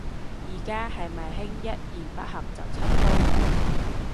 而家係咪興一言不合就出刀